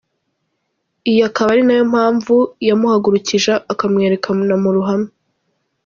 Iyi akaba ari nayo mpamvu yamuhagurukije akamwerekana mu ruhame.